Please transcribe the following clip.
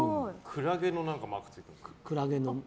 クラゲのマークがついてる。